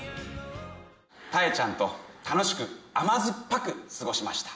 たえちゃんと楽しく甘酸っぱく過ごしました。